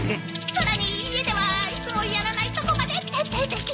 さらに家ではいつもやらないとこまで徹底的にお掃除。